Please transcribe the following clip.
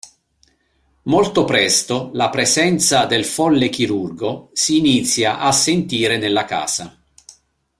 Molto presto la presenza del folle chirurgo si inizia a sentire nella casa.